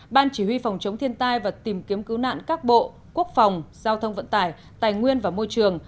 ban chỉ huy phòng chống thiên tai và tìm kiếm cứu nạn các bộ quốc phòng giao thông vận tải tài nguyên và môi trường